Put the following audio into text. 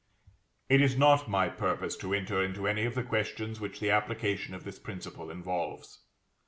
It is not my purpose to enter into any of the questions which the application of this principle involves.